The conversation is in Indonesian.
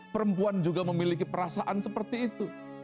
perempuan juga memiliki perasaan seperti itu